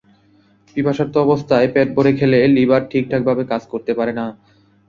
পিপাসার্ত অবস্থায় পেট ভরে খেলে লিভার ঠিকভাবে কাজ করতে পারে না।